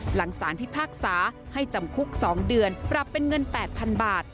หลังสารพิพากษาให้จำคุก๒เดือนปรับเป็นเงิน๘๐๐๐บาท